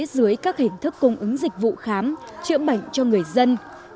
dưới các hình thức cung ứng dịch vụ khám chữa bệnh cho người dân